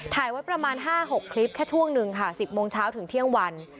ถ่ายไว้ประมาณ๕๖คลิปแค่ช่วงหนึ่งค่ะ๑๐โมงเช้าถึงเที่ยงวัน